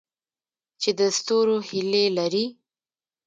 چې د ستورو هیلې لري؟